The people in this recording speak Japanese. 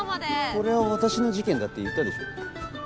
「これは私の事件だ」って言ったでしょ？